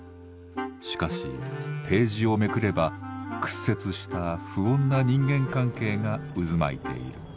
しかしページをめくれば屈折した不穏な人間関係が渦巻いている。